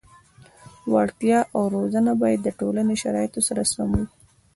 وړتیا او روزنه باید د ټولنې شرایطو سره سم وي.